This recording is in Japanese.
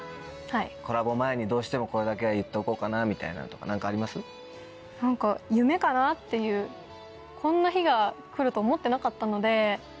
コラボ前にどうしてもこれだけは言っておこうかなみたいなの何かあります？っていうこんな日が来ると思ってなかったので。